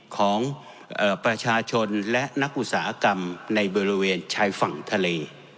ของประชาชนและนักอุตสาหกรรมในบริเวณชายฝั่งทะเล